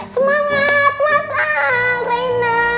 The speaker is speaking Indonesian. semangat mas al rena